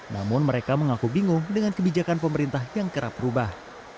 namun mereka mengaku bingung dengan kebijakan pemerintah yang kerap berubah